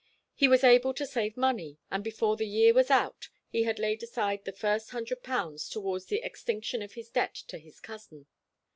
He was able to save money, and before the year was out he had laid aside the first hundred pounds towards the extinction of his debt to his cousin.